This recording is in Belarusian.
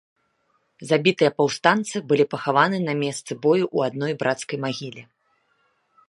Забітыя паўстанцы былі пахаваны на месцы бою ў адной брацкай магіле.